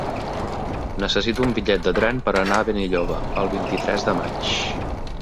Necessito un bitllet de tren per anar a Benilloba el vint-i-tres de maig.